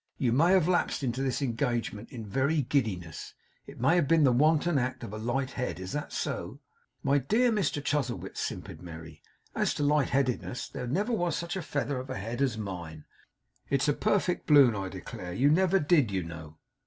You may have lapsed into this engagement in very giddiness. It may have been the wanton act of a light head. Is that so?' 'My dear Mr Chuzzlewit,' simpered Merry, 'as to light headedness, there never was such a feather of a head as mine. It's perfect balloon, I declare! You never DID, you know!